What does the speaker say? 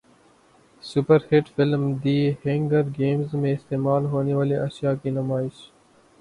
super hit film the Hunger Games میں استعمال ہونیوالی اشیاء کی نمائش